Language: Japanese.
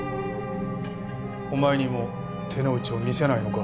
お前にも手の内を見せないのか？